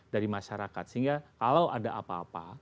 dari masyarakat sehingga kalau ada apa apa